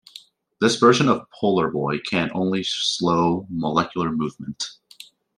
This version of Polar Boy can only slow molecular movement.